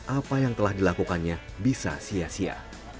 apa yang telah dilakukannya bisa sia sia